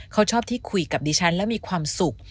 เขาชอบที่คุยกับดิฉันแล้วมีความสุข